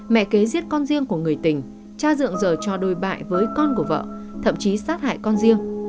mẹ kế giết con riêng của người tình cha dựng giờ cho đôi bại với con của vợ thậm chí sát hại con riêng